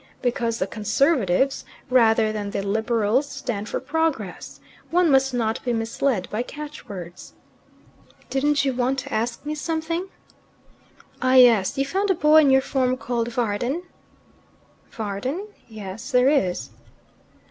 Because the Conservatives, rather than the Liberals, stand for progress. One must not be misled by catch words." "Didn't you want to ask me something?" "Ah, yes. You found a boy in your form called Varden?" "Varden? Yes; there is."